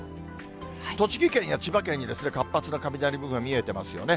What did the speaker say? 栃木県や千葉県に活発な雷雲が見えてますよね。